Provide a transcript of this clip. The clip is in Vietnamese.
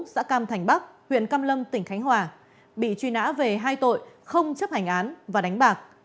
xã cam thành bắc huyện cam lâm tỉnh khánh hòa bị truy nã về hai tội không chấp hành án và đánh bạc